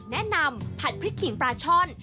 แนะนำผัดพริกขิงปลาช่อน